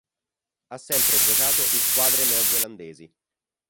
Ha sempre giocato in squadre neozelandesi.